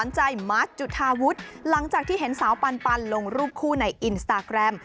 มาร์ชจุธาวุฒิหลังจากที่เห็นสาวปันลงรูปคู่ในอินสตาแกรม